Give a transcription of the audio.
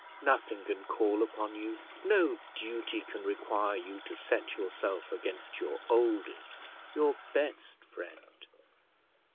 Nothing can call upon you, no duty can require you to set yourself against your oldest, your best friend.